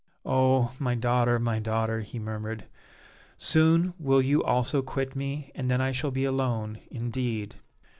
"Oh! my daughter, my daughter," he murmured, "soon will you also quit me, and then I shall be alone, indeed!